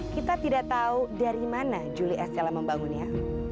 kita tidak tahu dari mana juli estella membangunnya